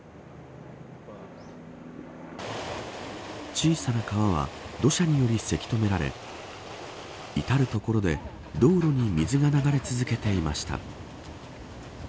小さな川は土砂によりせき止められ至る所で道路に水が流れ続けていました。